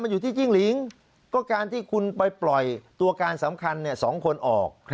อยู่ที่จิ้งหลิงก็การที่คุณไปปล่อยตัวการสำคัญ๒คนออก